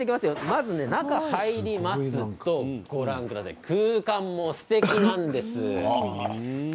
まず中に入りますと空間もすてきなんです。